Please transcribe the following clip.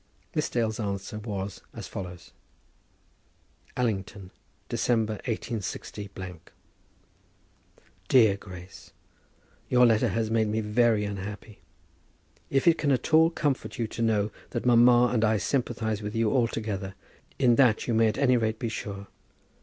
Miss Dale's answer was as follows: Allington, December, 186 . DEAR GRACE, Your letter has made me very unhappy. If it can at all comfort you to know that mamma and I sympathize with you altogether, in that you may at any rate be sure.